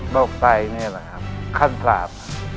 โลกใต้นี่แหละครับขั้นสาม